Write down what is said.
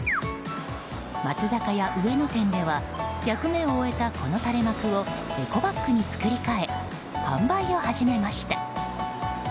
松坂屋上野店では役目を終えた、この垂れ幕をエコバッグに作り替え販売を始めました。